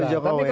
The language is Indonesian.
tidak ada lah